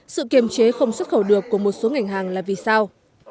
sự kiềm chế không xuất khẩu được của một số ngành hàng là vì sao